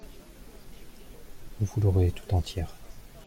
Vous l'aurez tout entière.